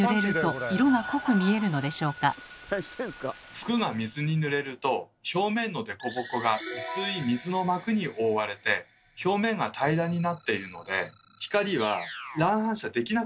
服が水にぬれると表面のデコボコが薄い水の膜に覆われて表面が平らになっているので光は乱反射できなくなってしまいます。